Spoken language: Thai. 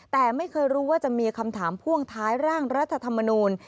แต่ไม่เคยรู้ว่าจะมีคำถามพ่วงท้ายร่างรัฐธรรมนูล